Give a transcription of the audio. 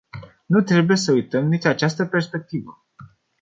Nu trebuie să uităm nici această perspectivă.